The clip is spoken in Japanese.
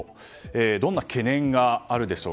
どんな懸念があるでしょう。